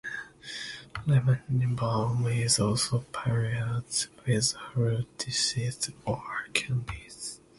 Lemon balm is also paired with fruit dishes or candies.